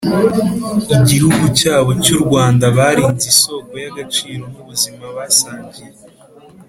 Igihugu cyabo cy u Rwanda Barinze isoko y agaciro n ubuzima basangiye